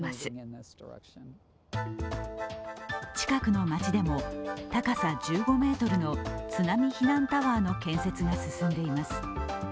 近くの街でも、高さ１５ｍの津波避難タワーの建設が進んでいます。